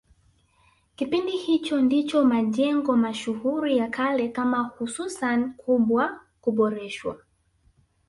Kipindi hicho ndicho majengo mashuhuri ya kale kama Husuni Kubwa kuboreshwa